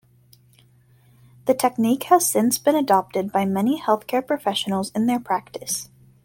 The technique has since been adopted by many healthcare professionals in their practice.